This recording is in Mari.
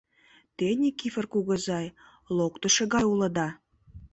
— Те, Никифор кугызай, локтышо гай улыда.